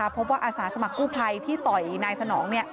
อาสาสมัครกู้ภัยที่ต่อยนายสนอง